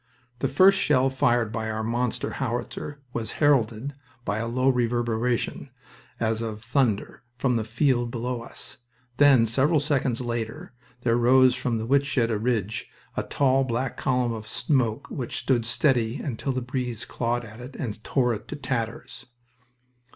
The first shell fired by our monster howitzer was heralded by a low reverberation, as of thunder, from the field below us. Then, several seconds later, there rose from the Wytschaete Ridge a tall, black column of smoke which stood steady until the breeze clawed at it and tore it to tatters.